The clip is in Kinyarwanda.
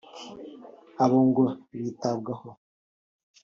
Abo ngo bitabwaho